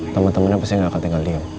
temen temennya pasti gak akan tinggal diam